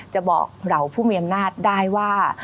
จะบอกเหล่าผู้มีอำนาจได้ว่า